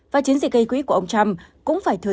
và chiến dịch gây quỹ của ông trump cũng phải thử thách